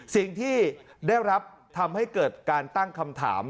สิ่งที่ได้รับทำให้เกิดการตั้งคำถาม